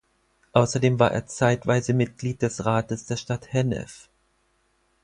Außerdem war er zeitweise Mitglied des Rates der Stadt Hennef.